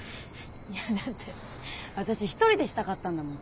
いやだって私一人でしたかったんだもん